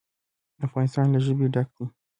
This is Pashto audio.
افغانستان له ژبې ډک دی.